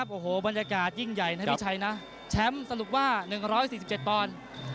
โอ้โหบรรยากาศยิ่งใหญ่นะพี่ชัยนะแชมป์สรุปว่า๑๔๗ปอนด์